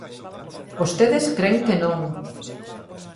Vostedes cren que non.